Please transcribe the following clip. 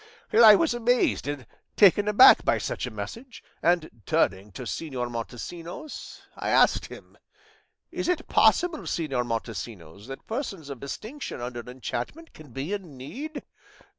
I was amazed and taken aback by such a message, and turning to Señor Montesinos I asked him, 'Is it possible, Señor Montesinos, that persons of distinction under enchantment can be in need?